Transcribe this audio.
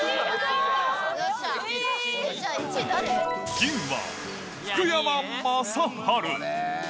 銀は福山雅治。